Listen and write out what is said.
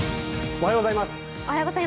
おはようございます。